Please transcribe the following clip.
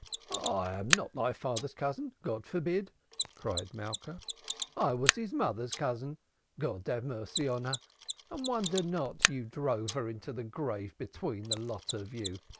"I am not thy father's cousin, God forbid!" cried Malka. "I was thy mother's cousin, God have mercy on her, and I wonder not you drove her into the grave between the lot of you.